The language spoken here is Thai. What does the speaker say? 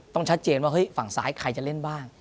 ต้องชัดเจนว่าเฮ้ยฝั่งซ้ายใครจะเล่นบ้าง